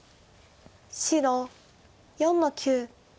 白４の九。